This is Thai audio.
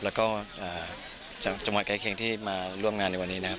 แล้วก็จากจังหวัดใกล้เคียงที่มาร่วมงานในวันนี้นะครับ